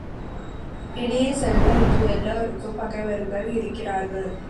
இனிய செல்வ, இன்று எல்லாருக்கும் பகைவர்கள் இருக்கிறார்கள்!